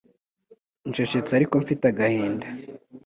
Ncecetse ariko mfite agahinda